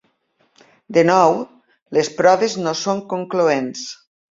De nou, les proves no són concloents.